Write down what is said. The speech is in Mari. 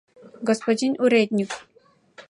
Господин уредньык!